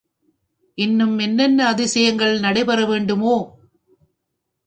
இன்னும் என்னென்ன அதிசயங்கள் நடைபெற வேண்டுமோ?